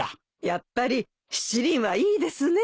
やっぱり七輪はいいですね。